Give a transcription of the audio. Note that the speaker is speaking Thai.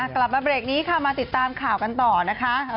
กลับมาเบรกนี้ค่ะมาติดตามข่าวกันต่อนะคะ